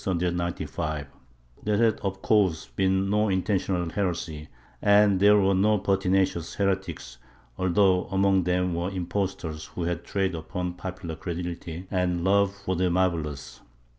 ^ There had of course been no intentional heresy and there were no pertinacious heretics, although among them were impos tors who had traded upon popular credulity and love for the marvellous.